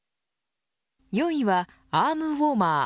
４位はアームウォーマー。